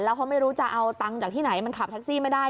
แล้วเขาไม่รู้จะเอาตังค์จากที่ไหนมันขับแท็กซี่ไม่ได้